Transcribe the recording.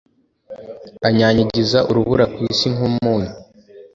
Anyanyagiza urubura ku isi nk’umunyu,